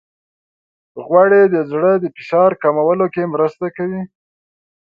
غوړې د زړه د فشار کمولو کې مرسته کوي.